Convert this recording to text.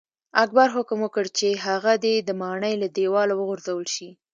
اکبر حکم وکړ چې هغه دې د ماڼۍ له دیواله وغورځول شي.